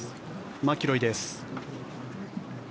マキロイです。